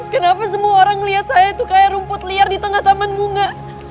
kenapa semua orang melihat saya itu kayak rumput liar di tengah taman bunga